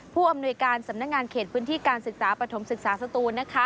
ผู้อำนวยการสำนักงานเขตพื้นที่การศึกษาปฐมศึกษาสตูน